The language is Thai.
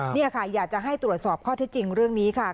นี่ค่ะอยากจะให้ตรวจสอบข้อเท็จจริงเรื่องนี้ค่ะ